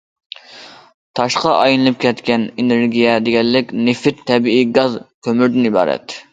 تاشقا ئايلىنىپ كەتكەن ئېنېرگىيە دېگەنلىك نېفىت، تەبىئىي گاز، كۆمۈردىن ئىبارەت.